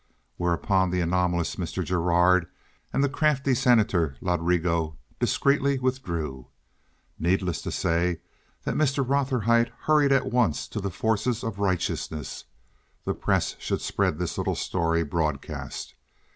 Whereupon the anomalous Mr. Gerard and the crafty Senator Ladrigo discreetly withdrew. Needless to say that Mr. Rotherhite hurried at once to the forces of righteousness. The press should spread this little story broadcast.